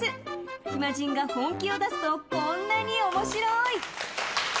暇人が本気を出すとこんなに面白い。